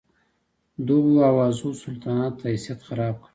دغو اوازو د سلطنت حیثیت خراب کړ.